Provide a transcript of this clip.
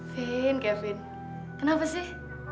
vin kevin kenapa sih